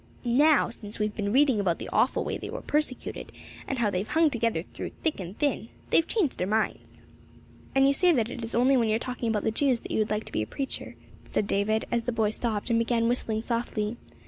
Now, since we've been reading about the awful way they were persecuted, and how they've hung together through thick and thin, they've changed their minds." "And you say that it is only when you are talking about the Jews that you would like to be a preacher," said David, as the boy stopped, and began whistling softly.